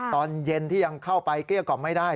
ตอนเย็นที่ยังเข้าไปเกลี้ยกล่อมไม่ได้